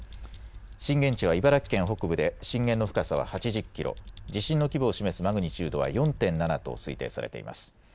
震源地は茨城県北部で、震源の深さは８０キロ、地震の規模を示すマグニチュードは４．７と推定されています。